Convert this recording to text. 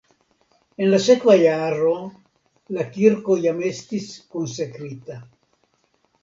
En la sekva jaro la kirko jam estis konsekrita.